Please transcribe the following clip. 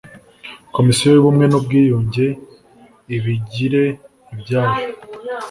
Komisiyo y’Ubumwe n’Ubwiyunge ibigire ibyayo